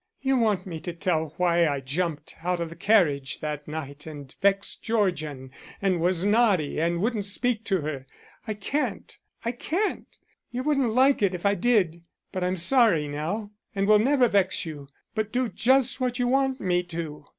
"You want me to tell why I jumped out of the carriage that night and vexed Georgian and was naughty and wouldn't speak to her. I can't, I can't. You wouldn't like it if I did. But I'm sorry now, and will never vex you, but do just what you want me to.